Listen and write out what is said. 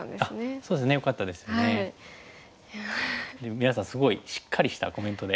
皆さんすごいしっかりしたコメントで。